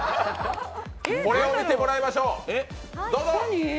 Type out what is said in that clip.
これを見てもらいましょう。